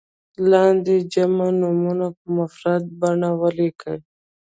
لاندې جمع نومونه په مفرد بڼه ولیکئ.